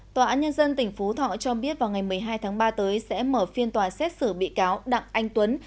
tòa án nhân dân tỉnh phú thọ cho biết vào ngày một mươi hai tháng ba tới sẽ mở phiên tòa xét xử bị cáo đặng anh tuấn